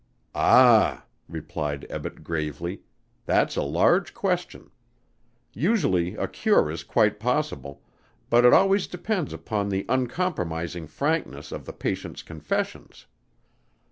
"Ah," replied Ebbett gravely, "that's a large question. Usually a cure is quite possible, but it always depends upon the uncompromising frankness of the patient's confessions.